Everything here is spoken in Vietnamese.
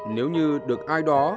nếu như được ai đó